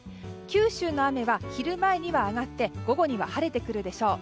九州の雨は昼前には上がって午後には晴れてくるでしょう。